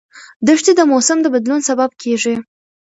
دښتې د موسم د بدلون سبب کېږي.